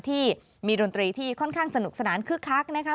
มีดนตรีที่ค่อนข้างสนุกสนานคึกคักนะคะ